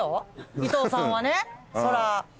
伊藤さんはね。